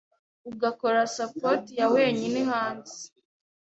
ugakora sport ya wenyine hanze.